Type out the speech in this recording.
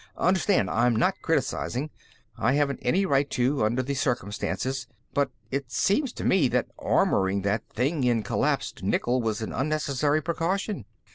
"Understand, I'm not criticizing. I haven't any right to, under the circumstances. But it seems to me that armoring that thing in collapsed nickel was an unnecessary precaution."